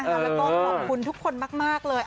แล้วก็ขอบคุณทุกคนมากเลย